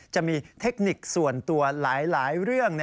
จะมีเทคนิคส่วนตัวหลายเรื่อง